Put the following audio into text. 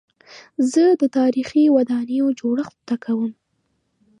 زه د تاریخي ودانیو جوړښت زده کوم.